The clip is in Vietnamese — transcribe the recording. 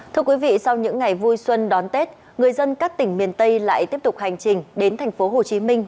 thưa quý vị sau những ngày vui xuân đón tết người dân các tỉnh miền tây lại tiếp tục hành trình đến thành phố hồ chí minh